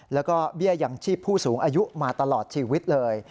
แล้วก็เบี้ยยังชีพผู้สูงอายุมาตลอดชีวิตเลย